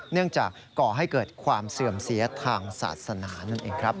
จากก่อให้เกิดความเสื่อมเสียทางศาสนานั่นเองครับ